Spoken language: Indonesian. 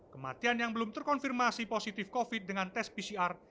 kematian yang belum terkonfirmasi positif covid dengan tes pcr